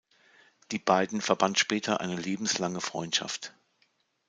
Die beiden verband später eine lebenslange Freundschaft.